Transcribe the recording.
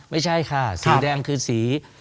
ไม่ใช่ค่ะสีแดงคือสี